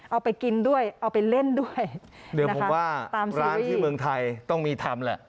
เอาไปกินด้วยเอาไปเล่นด้วยเดี๋ยวผมว่าร้านที่เมืองไทยต้องมีทำแหละ